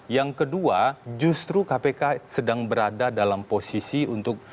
yang kedua justru kpk sedang berada dalam posisi untuk